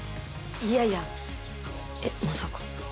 いやいやえっまさか。